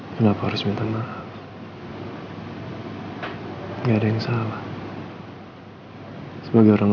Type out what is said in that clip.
terus mikirin amat juga